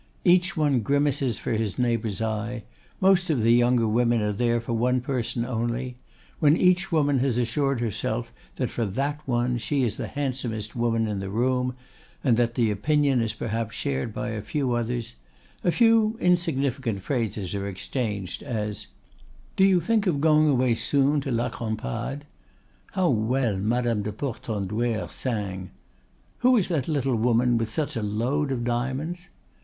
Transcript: Each one grimaces for his neighbor's eye; most of the younger women are there for one person only; when each woman has assured herself that for that one she is the handsomest woman in the room, and that the opinion is perhaps shared by a few others, a few insignificant phrases are exchanged, as: "Do you think of going away soon to La Crampade?" "How well Madame de Portenduère sang!" "Who is that little woman with such a load of diamonds?"